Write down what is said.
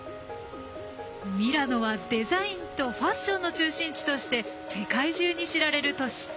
ミラノはデザインとファッションの中心地として世界中に知られる都市。